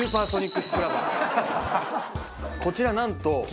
こちらなんと。